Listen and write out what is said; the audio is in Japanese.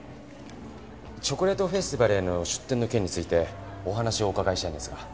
チョコレートフェスティバルへの出店の件についてお話をお伺いしたいんですが。